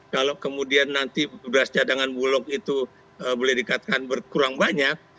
kalau kemudian nanti beras cadangan bulog itu boleh dikatakan berkurang banyak